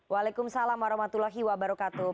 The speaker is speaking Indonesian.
waalaikumsalam warahmatullahi wabarakatuh